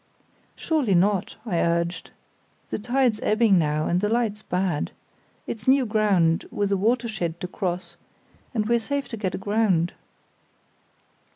"Surely not," I urged. "The tide's ebbing now, and the light's bad; it's new ground, with a 'watershed' to cross, and we're safe to get aground."